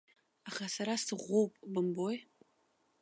Аха сара сыӷәӷәоуп, бымбои.